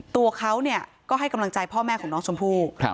ตัวเขาก็ให้กำลังใจพ่อแม่ของน้องชมพู่